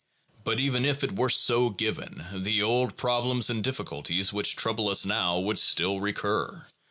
But even if it were so given, the old problems and difficulties which trouble us now would still recur.